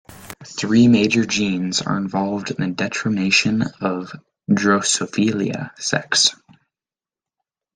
Three major genes are involved in determination of "Drosophila" sex.